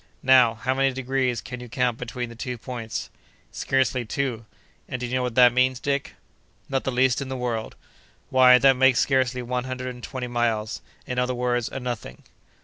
"Now, how many degrees can you count between the two points?" "Scarcely two." "And do you know what that means, Dick?" "Not the least in the world." "Why, that makes scarcely one hundred and twenty miles—in other words, a nothing."